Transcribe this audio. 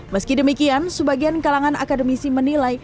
meski demikian sebagian kalangan akademisi menilai